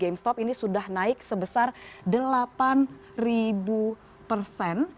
gamestop ini sudah naik sebesar delapan persen